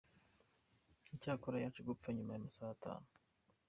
Icyakora yaje gupfa nyuma y’amasaha atanu.